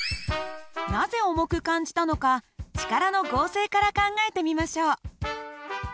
なぜ重く感じたのか力の合成から考えてみましょう。